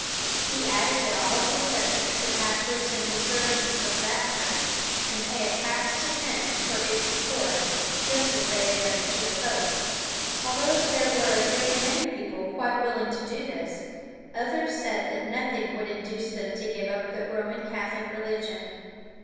He added that all his subjects would have to attend the services of that church, and pay a tax to him for its support, just as they had done to the pope. Although there were a great many people quite willing to do this, others said that nothing would induce them to give up the Roman Catholic religion.